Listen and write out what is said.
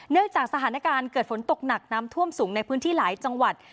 จากสถานการณ์เกิดฝนตกหนักน้ำท่วมสูงในพื้นที่หลายจังหวัด